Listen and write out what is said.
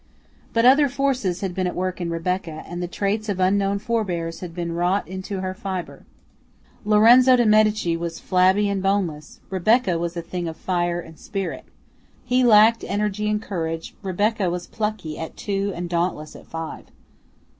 But other forces had been at work in Rebecca, and the traits of unknown forbears had been wrought into her fibre. Lorenzo de Medici was flabby and boneless; Rebecca was a thing of fire and spirit: he lacked energy and courage; Rebecca was plucky at two and dauntless at five.